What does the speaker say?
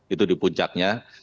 itu di puncaknya